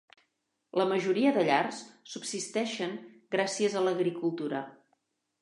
La majoria de llars subsisteixen gràcies a l'agricultura.